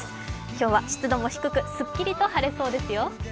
今日は湿度も低くすっきりと晴れそうですよ。